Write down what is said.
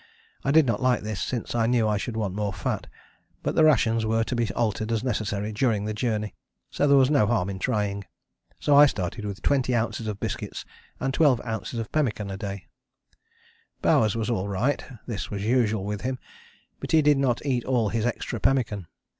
I did not like this, since I knew I should want more fat, but the rations were to be altered as necessary during the journey, so there was no harm in trying. So I started with 20 oz. of biscuit and 12 oz. of pemmican a day. Bowers was all right (this was usual with him), but he did not eat all his extra pemmican.